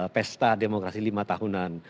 pesta demokrasi lima tahunan